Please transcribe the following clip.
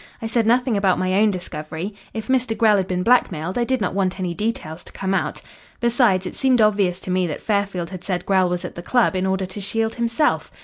I said nothing about my own discovery if Mr. Grell had been blackmailed, I did not want any details to come out. Besides, it seemed obvious to me that Fairfield had said Grell was at the club in order to shield himself."